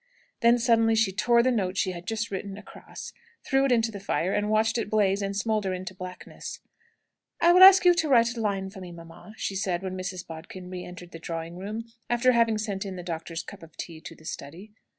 Then suddenly she tore the note she had just written across, threw it into the fire, and watched it blaze and smoulder into blackness. "I will ask you to write a line for me, mamma," she said, when Mrs. Bodkin re entered the drawing room, after having sent in the doctor's cup of tea to the study.